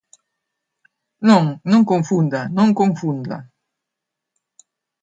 Non, non confunda, non confunda.